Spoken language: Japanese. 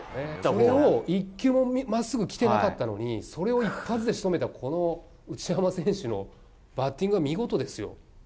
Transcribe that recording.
それを一球もまっすぐに来てなかったのに、それを一発でしとめた、この内山選手のバッティングは見事ですよ。